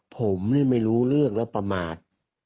ผมไม่รู้เรื่องแล้วประมาท